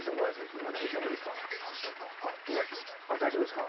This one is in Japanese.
今大丈夫ですか？